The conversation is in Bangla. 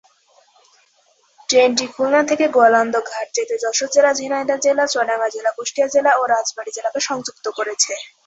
ট্রেনটি খুলনা থেকে গোয়ালন্দ ঘাট যেতে যশোর জেলা, ঝিনাইদহ জেলা, চুয়াডাঙ্গা জেলা, কুষ্টিয়া জেলা ও রাজবাড়ী জেলাকে সংযুক্ত করেছে।